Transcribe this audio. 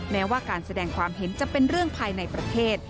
แม้ว่าการแสดงความเห็นจะเป็นเรื่องภายในประเทศ